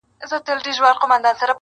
انسانانو یو متل دی پیدا کړی!